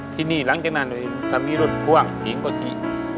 ทีนี้หลังจากนั้นจะมีรถพ่วงทิ้งพอที่